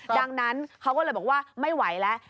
ดังนั้นเขาก็เลยบอกว่าไม่ไหวแล้ว